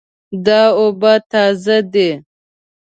دا اوبه تازه دي